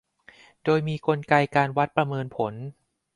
โดยมีกลไกการวัดประเมินผล